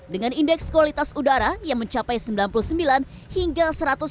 dengan indeks kualitas udara yang mencapai sembilan puluh sembilan hingga satu ratus enam puluh